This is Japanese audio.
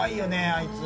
あいつ。